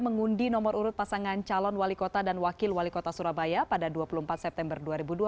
mengundi nomor urut pasangan calon wali kota dan wakil wali kota surabaya pada dua puluh empat september dua ribu dua puluh